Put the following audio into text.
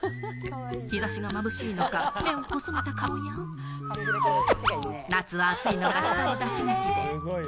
日差しがまぶしいのか、目を細めた顔や、夏は暑いのか、舌を出しがちで。